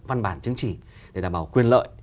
văn bản chứng chỉ để đảm bảo quyền lợi